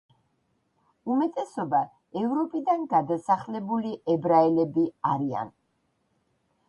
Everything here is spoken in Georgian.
უმეტესობა ევროპიდან გადასახლებული ებრაელები არიან.